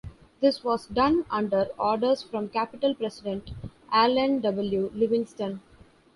This was done under orders from Capitol president Alan W. Livingston.